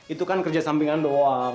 itu kan kerja sampingan doang